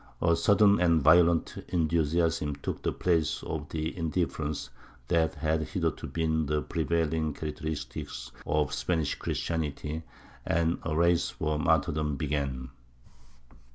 A sudden and violent enthusiasm took the place of the indifference that had hitherto been the prevailing characteristic of Spanish Christianity, and a race for martyrdom began.